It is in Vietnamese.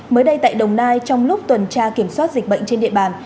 mới đây tại đồng nai trong lúc tuần tra kiểm soát dịch bệnh trên địa bàn